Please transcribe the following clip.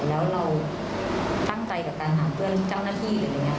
แล้วเราตั้งใจการหาเพื่อนจ้างน้าที่